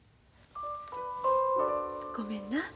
ごめんな。